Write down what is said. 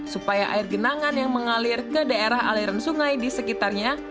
supaya air genangan yang mengalir ke daerah aliran sungai di sekitarnya